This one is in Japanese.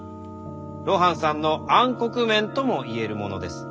露伴さんの「暗黒面」とも言えるものです。